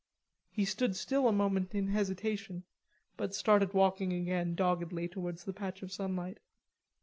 He stood still a moment in hesitation, but started walking again doggedly towards the patch of sunlight.